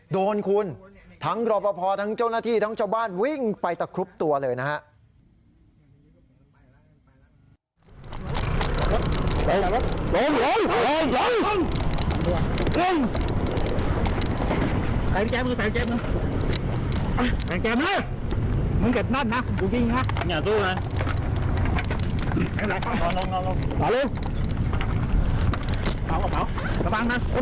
โดนคุณทั้งรอปภทั้งเจ้าหน้าที่ทั้งชาวบ้านวิ่งไปตะครุบตัวเลยนะฮะ